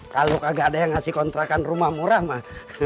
kalau kagak ada yang ngasih kontrakan rumah murah mah